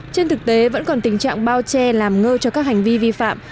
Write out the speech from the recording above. trên thực tế vẫn còn tình trạng bao che làm ngơ cho các hành vi vi phạm